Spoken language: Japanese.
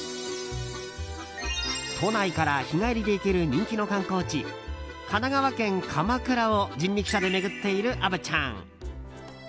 都内から日帰りで行ける人気の観光地・神奈川県鎌倉を人力車で巡っている虻ちゃん。